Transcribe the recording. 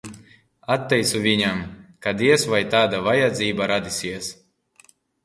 Atteicu viņam, ka diez vai tāda vajadzība radīsies.